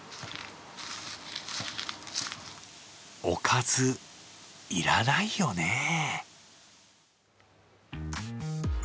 おかず、要らないよね。